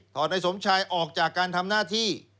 นายสมชายออกจากการทำหน้าที่